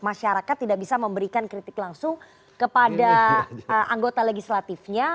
masyarakat tidak bisa memberikan kritik langsung kepada anggota legislatifnya